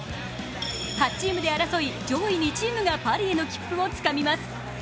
８チームで争い、上位２チームがパリへの切符をつかみます。